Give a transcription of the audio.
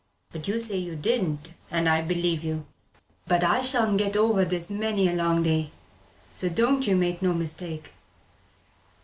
But you say you didn't, and I'll believe you. But I shan't get over this, this many a long day, so don't you make no mistake.